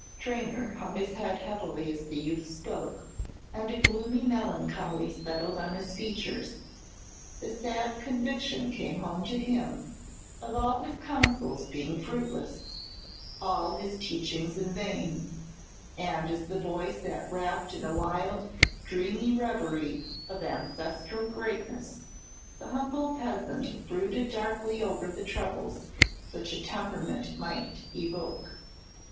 Traynor hung his head heavily as the youth spoke, and a gloomy melancholy settled on his features; the sad conviction came home to him of all his counsels being fruitless, all his teachings in vain; and as the boy sat wrapped in a wild, dreamy revery of ancestral greatness, the humble peasant brooded darkly over the troubles such a temperament might evoke.